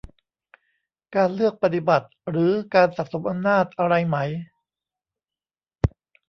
การเลือกปฏิบัติ หรือการสะสมอำนาจอะไรไหม